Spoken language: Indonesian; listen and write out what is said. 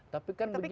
tapi kan begini